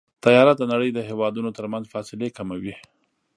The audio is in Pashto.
طیاره د نړۍ د هېوادونو ترمنځ فاصلې کموي.